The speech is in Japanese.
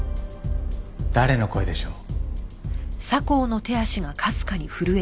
誰の声でしょう？